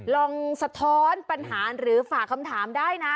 สะท้อนปัญหาหรือฝากคำถามได้นะ